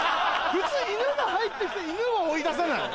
普通犬が入ってきて犬を追い出さない？